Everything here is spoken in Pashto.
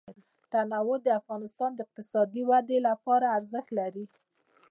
تنوع د افغانستان د اقتصادي ودې لپاره ارزښت لري.